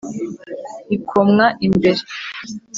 Ntikomwa imbere